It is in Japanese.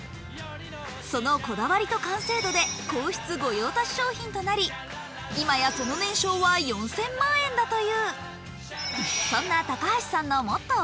そのこだわりと完成度で皇室御用達商品となり、今やその年商は４０００万円だという。